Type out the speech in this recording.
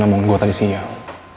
namun gue tadi sinyal